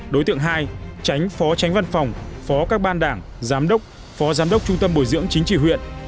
đối tượng hai tránh phó tránh văn phòng phó các ban đảng giám đốc phó giám đốc trung tâm bồi dưỡng chính trị huyện